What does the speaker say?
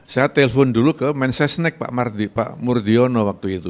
saya telpon dulu ke mensesnek pak murdiono waktu itu